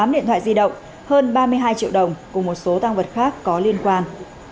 tám điện thoại di động hơn ba mươi hai triệu đồng cùng một số tăng vật khác có liên quan